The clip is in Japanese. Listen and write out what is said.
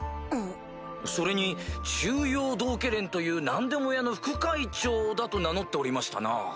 それに中庸道化連という何でも屋の副会長だと名乗っておりましたな。